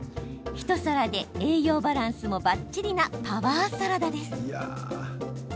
一皿で栄養バランスもばっちりなパワーサラダです。